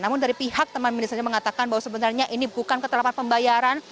namun dari pihak taman mini indonesia indah fira mengatakan bahwa sebenarnya ini bukan keterlambatan pembayaran